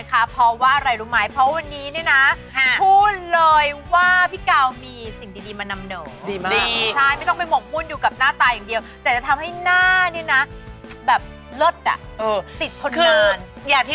อ๋อการก็ความเลิฟอีกหรอกเอาอย่างนี้คุณแม่ค่ะนี่